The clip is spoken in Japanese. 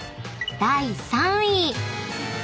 第３位］